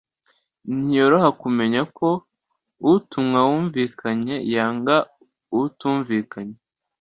ntiyoroha kumenya ko uutumwa wumvikanye yangwa utumvikanye